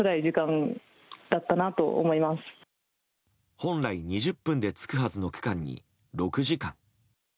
本来２０分で着くはずの区間に６時間。